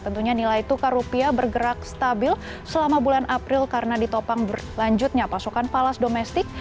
tentunya nilai tukar rupiah bergerak stabil selama bulan april karena ditopang berlanjutnya pasokan falas domestik